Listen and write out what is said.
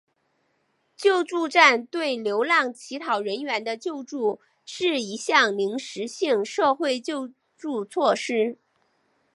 救助站对流浪乞讨人员的救助是一项临时性社会救助措施。